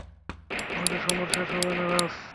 আমাদের সম্পর্ক শেষ হবে না, রাজ।